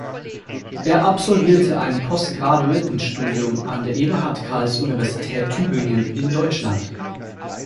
Er absolvierte ein Postgraduiertenstudium an der Eberhard Karls Universität Tübingen in Deutschland.